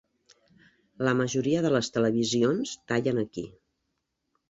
La majoria de les televisions tallen aquí.